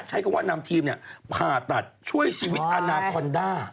ใช้คำว่านำทีมผ่าตัดช่วยชีวิตอาณาคอนด้า